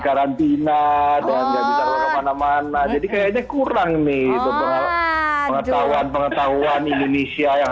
karantina dan nggak bicara kemana mana jadi kayaknya kurang nih pengetahuan pengetahuan indonesia yang